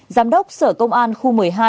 giám đốc sở công an khu một mươi hai